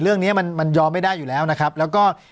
เรื่องนี้มันมันยอมไม่ได้อยู่แล้วนะครับแล้วก็